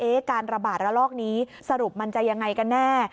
การระบาดระลอกนี้สรุปมันจะยังไงกันแน่